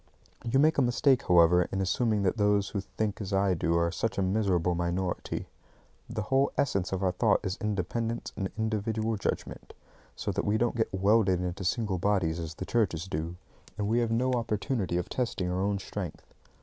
You make a mistake, however, in assuming that those who think as I do are such a miserable minority. The whole essence of our thought is independence and individual judgment; so that we don't get welded into single bodies as the churches do, and have no opportunity of testing our own strength.